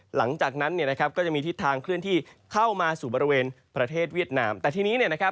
หลังจากนั้นก็จะมีทิศทางเคลื่อนที่เข้ามาสู่บริเวณประเทศเวียตน้ำ